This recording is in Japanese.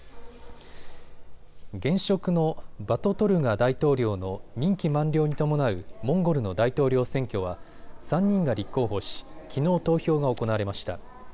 現職のバトトルガ大統領の任期満了に伴うモンゴルの大統領選挙は３人が立候補し、きのう投票が行われました。